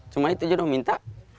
cuma itu juga minta